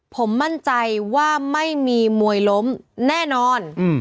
ผมมั่นใจว่าไม่มีมวยล้มแน่นอน